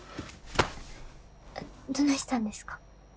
どないしたんですか？